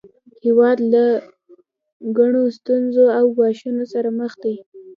هیواد له ګڼو ستونزو او ګواښونو سره مخ دی